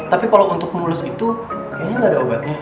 tapi kalo untuk mulus itu kayaknya gak ada obatnya